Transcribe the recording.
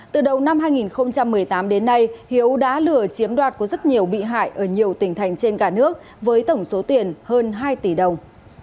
từ đầu năm hai nghìn một mươi tám đến nay hiếu đã lừa chiếm đoạt của rất nhiều bị hại ở nhiều tỉnh thành trên cả nước với tổng số tiền hơn hai tỷ đồng